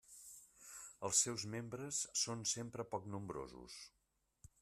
Els seus membres són sempre poc nombrosos.